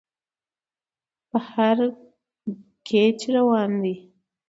په هر کچ روان دى.